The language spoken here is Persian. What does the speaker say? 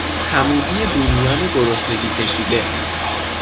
خمودی بومیان گرسنگی کشیده